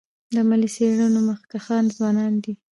د علمي څېړنو مخکښان ځوانان دي.